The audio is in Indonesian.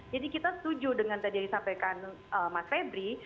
jadi kita setuju dengan tadi yang disampaikan mas febri